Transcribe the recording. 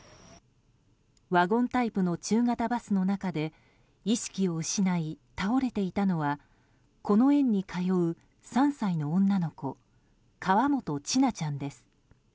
ワゴンタイプの中型バスの中で意識を失い、倒れていたのはこの園に通う３歳の女の子河本千奈ちゃんです。